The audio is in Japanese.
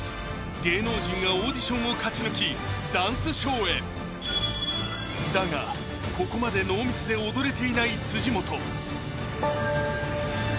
芸能人がオーディションを勝ち抜きダンスショーへだがここまでで更に「えっ？何これ」